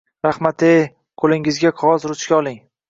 Rahmat-ey, qo`lingizga qog`oz ruchka oling